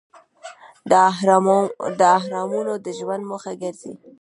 دا اهرامونه د ژوند موخه ګرځي.